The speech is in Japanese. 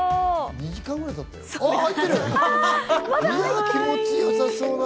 ２時間ぐらいたったよ。